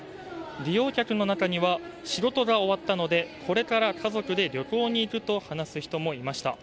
利用客の中には仕事が終わったので、これから家族で旅行に行くと話す人もいました。